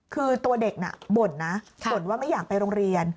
คือตัวเด็กน่ะบ่นนะบ่นว่าไม่อยากไปโรงเรียน